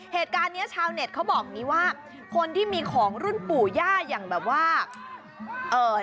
เหตุการณ์เนี่ยชาวเน็ตเขาบอกวันนี้ว่าคนที่มีของรุ่นปู่หญ้าอย่างแบบว่าดีกาศีลาอะไรอย่างนี้